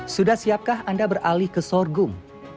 sudah siapkah anda beralih ke sorghum